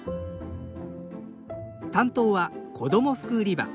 担当は子ども服売り場。